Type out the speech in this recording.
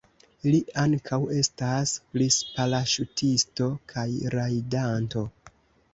Li ankaŭ estas glisparaŝutisto kaj rajdanto.